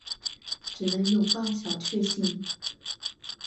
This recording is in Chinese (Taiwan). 只能擁抱小卻幸